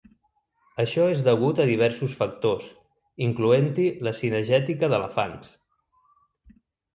Això és degut a diversos factors, incloent-hi la cinegètica d'elefants.